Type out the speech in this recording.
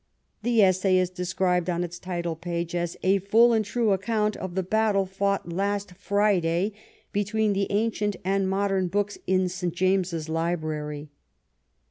The essay is described on its title page as *^ A full and true account of the battle fought last Friday between the Ancient and the Modem Books in St. James' Library."